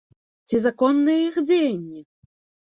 Ці законныя іх дзеянні?